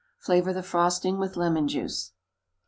Flavor the frosting with lemon juice.